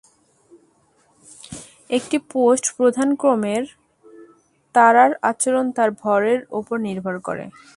একটি পোস্ট প্রধান ক্রমের তারার আচরণ তার ভরের উপর নির্ভর করে।